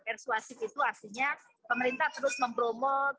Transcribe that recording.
persuasif itu artinya pemerintah terus mempromo